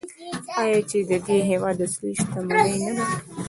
آیا چې د دې هیواد اصلي شتمني نه ده؟